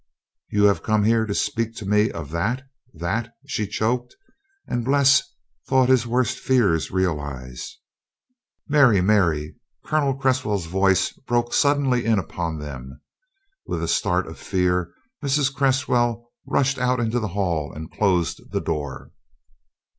"You have come here to speak to me of that that " she choked, and Bles thought his worst fears realized. "Mary, Mary!" Colonel Cresswell's voice broke suddenly in upon them. With a start of fear Mrs. Cresswell rushed out into the hall and closed the door.